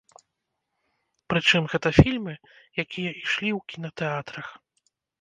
Прычым гэта фільмы, якія ішлі ў кінатэатрах.